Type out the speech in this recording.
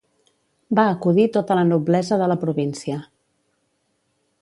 Va acudir tota la noblesa de la província.